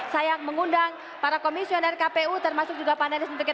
saya mengundang para komisioner kpu termasuk juga panel jvu